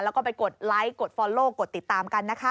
แล้วก็ไปกดไลค์กดฟอลโลกกดติดตามกันนะคะ